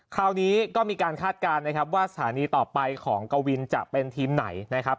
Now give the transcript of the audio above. คราวนี้ก็มีการคาดการณ์นะครับว่าสถานีต่อไปของกวินจะเป็นทีมไหนนะครับ